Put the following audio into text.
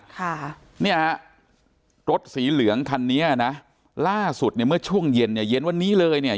ค่ะเนี่ยฮะรถสีเหลืองคันนี้นะล่าสุดเนี่ยเมื่อช่วงเย็นเนี่ยเย็นวันนี้เลยเนี่ย